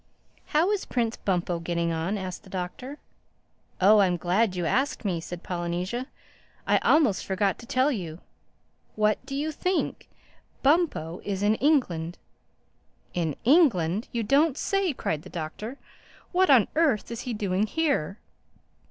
"How is Prince Bumpo getting on?" asked the Doctor. "Oh, I'm glad you asked me," said Polynesia. "I almost forgot to tell you. What do you think?—Bumpo is in England!" "In England!—You don't say!" cried the Doctor. "What on earth is he doing here?"